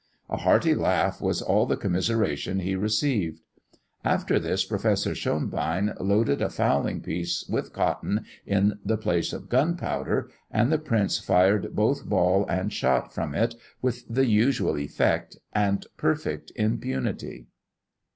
A hearty laugh was all the commiseration he received. After this, Professor Schonbein loaded a fowling piece with cotton in the place of powder, and the prince fired both ball and shot from it with the usual effect, and perfect impunity.